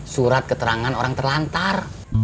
surat keterangan orang terlantar